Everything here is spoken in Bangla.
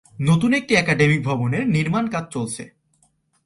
নতুন একটি একাডেমিক ভবনের নির্মাণ কাজ চলছে।